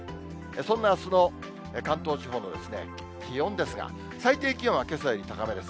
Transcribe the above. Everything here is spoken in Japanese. そんなあすの関東地方の気温ですが、最低気温はけさより高めです。